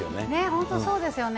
本当そうですよね。